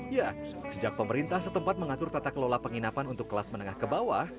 ya sejak pemerintah setempat mengatur tata kelola penginapan untuk kelas menengah ke bawah